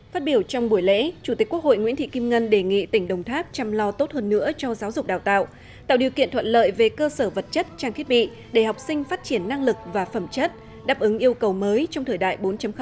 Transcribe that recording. phát biểu trong buổi lễ chủ tịch quốc hội nguyễn thị kim ngân đề nghị tỉnh đồng tháp chăm lo tốt hơn nữa cho giáo dục đào tạo tạo điều kiện thuận lợi về cơ sở vật chất trang thiết bị để học sinh phát triển năng lực và phẩm chất đáp ứng yêu cầu mới trong thời đại bốn